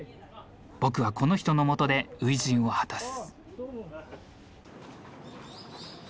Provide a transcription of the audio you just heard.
僕はこの人のもとで初陣を果たす。